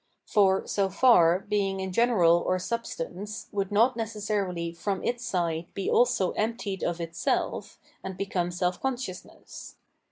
For, so far, being in general or substance, would not necessarily fTom its side be also emptied of itself, and become self consciousness.